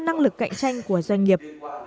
năng lực cạnh tranh của doanh nghiệp